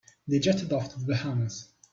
They jetted off to the Bahamas.